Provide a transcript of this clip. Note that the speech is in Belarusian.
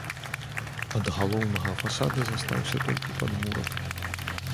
Ад галоўнага фасада застаўся толькі падмурак.